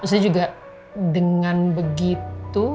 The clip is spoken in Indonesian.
maksudnya juga dengan begitu